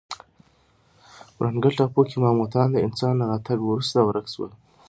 ورانګل ټاپو کې ماموتان د انسان له راتګ وروسته ورک شول.